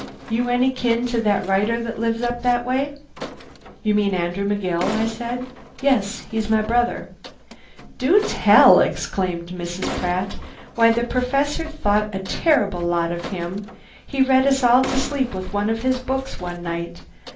"You any kin to that writer that lives up that way?" "You mean Andrew McGill?" I said. "He's my brother." "Do tell!" exclaimed Mrs. Pratt. "Why the Perfessor thought a terrible lot of him. He read us all to sleep with one of his books one night.